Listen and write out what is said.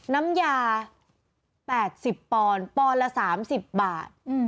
น้ำยา๘๐ปอนด์ปอนละ๓๐บาท